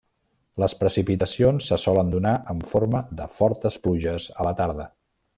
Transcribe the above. Les precipitacions se solen donar en forma de fortes pluges a la tarda.